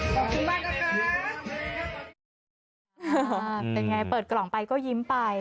เป็นไงเปิดกล่องไปก็ยิ้มไป